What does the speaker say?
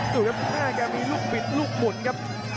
ดูครับแม่แกมีลูกบิดลูกหมุนครับ